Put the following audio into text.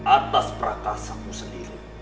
atas prakasaku sendiri